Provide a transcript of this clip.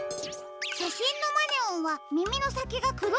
しゃしんのマネオンはみみのさきがくろいですね。